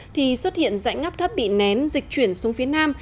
thì xuất hiện dãy ngắp thấp bị nén dịch chuyển xuống phía nam